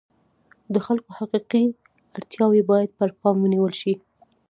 د خلکو حقیقي اړتیاوې باید پر پام ونیول شي.